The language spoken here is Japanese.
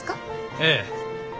ええ。